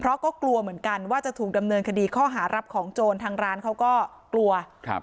เพราะก็กลัวเหมือนกันว่าจะถูกดำเนินคดีข้อหารับของโจรทางร้านเขาก็กลัวครับ